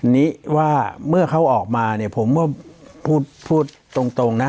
นี้ว่าเมื่อเขาออกมาเนี่ยผมก็พูดตรงนะ